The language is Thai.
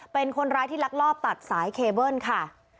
เป็นคนร้ายที่ลักลอบตัดสายเคเบิ้ลค่ะ